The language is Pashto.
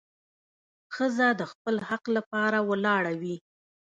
ښځه د خپل حق لپاره ولاړه وي.